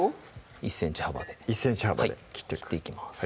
１ｃｍ幅で１ｃｍ幅で切っていく切っていきます